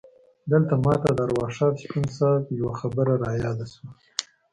دلته ماته د ارواښاد شپون صیب یوه خبره رایاده شوه.